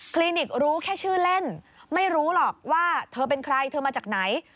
ลิกรู้แค่ชื่อเล่นไม่รู้หรอกว่าเธอเป็นใครเธอมาจากไหน